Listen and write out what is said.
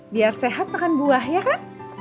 biar sehat makan buah ya kan